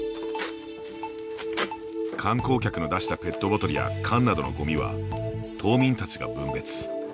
観光客の出したペットボトルや缶などのゴミは島民たちが分別。